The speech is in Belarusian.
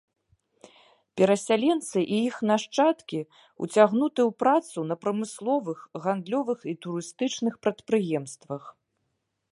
Перасяленцы і іх нашчадкі ўцягнуты ў працу на прамысловых, гандлёвых і турыстычных прадпрыемствах.